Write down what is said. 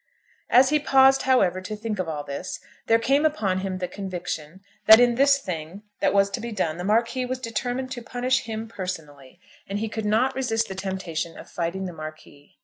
As he paused, however, to think of all this, there came upon him the conviction that in this thing that was to be done the Marquis was determined to punish him personally, and he could not resist the temptation of fighting the Marquis.